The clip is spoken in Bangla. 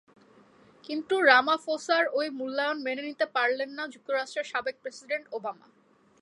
কিন্তু রামাফোসার ওই মূল্যায়ন মেনে নিতে পারলেন না যুক্তরাষ্ট্রের সাবেক প্রেসিডেন্ট ওবামা।